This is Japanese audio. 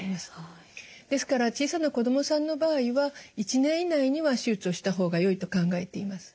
ですから小さな子どもさんの場合は１年以内には手術をした方がよいと考えています。